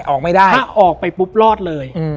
ออกไม่ได้ถ้าออกไปปุ๊บรอดเลย